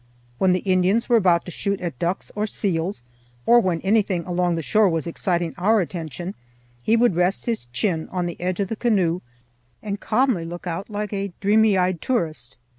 When the Indians were about to shoot at ducks or seals, or when anything along the shore was exciting our attention, he would rest his chin on the edge of the canoe and calmly look out like a dreamy eyed tourist.